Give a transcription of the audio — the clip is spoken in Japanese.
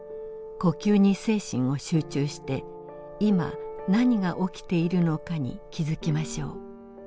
呼吸に精神を集中していま何が起きているのかに気づきましょう。